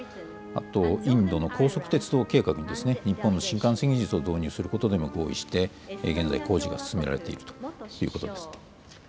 あと、インドの高速鉄道計画も日本の新幹線技術を導入することでも合意して、現在、工事が進められているということです。